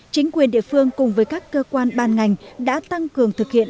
chính quyền địa phương cùng với các cơ quan ban ngành đã tăng cường thực hiện